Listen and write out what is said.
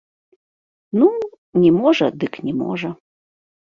Ну, не можа дык не можа.